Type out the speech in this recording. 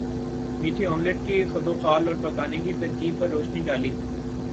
میٹھے آملیٹ کے خدوخال اور پکانے کی ترکیب پر روشنی ڈالی